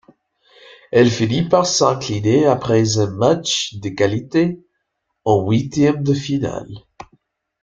Elle finit par s'incliner après un match de qualité en huitième de finale.